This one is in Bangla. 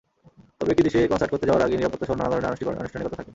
তবে একটি দেশে কনসার্ট করতে যাওয়ার আগে নিরাপত্তাসহ নানা ধরনের আনুষ্ঠানিকতা থাকে।